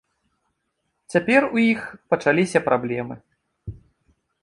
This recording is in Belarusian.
Цяпер у іх пачаліся праблемы.